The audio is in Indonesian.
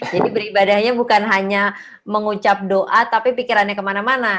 jadi beribadahnya bukan hanya mengucap doa tapi pikirannya kemana mana